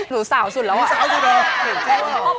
หนูสาวสุดล่ะพี่พี่สาวสุดมาก